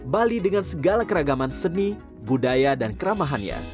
bali dengan segala keragaman seni budaya dan keramahannya